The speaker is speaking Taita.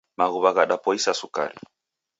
Maghuw'a ghadapoisa sukari.